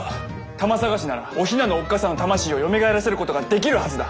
魂さがしならお雛のおっ母さんの魂をよみがえらせることができるはずだ！